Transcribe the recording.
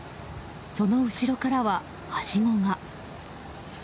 その後ろからは、はしごが。